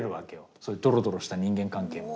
そういうドロドロした人間関係も。